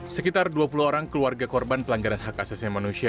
sekitar dua puluh orang keluarga korban pelanggaran hak asasi manusia